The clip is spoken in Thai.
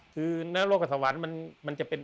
คือเนื้อโลกกับสวรรค์มันจะเป็น